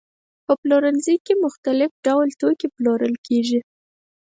په پلورنځي کې مختلف ډول توکي پلورل کېږي.